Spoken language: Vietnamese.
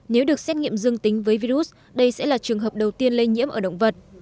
nếu được xét nghiệm dương tính với virus đây sẽ là trường hợp đầu tiên lây nhiễm ở động vật